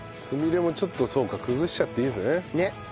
つみれもちょっとそうか崩しちゃっていいんですね。